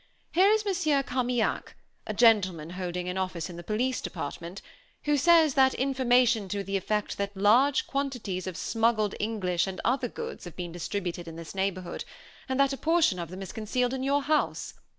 Here is Monsieur Carmaignac, a gentleman holding an office in the police department, who says that information to the effect that large quantities of smuggled English and other goods have been distributed in this neighborhood, and that a portion of them is concealed in your house.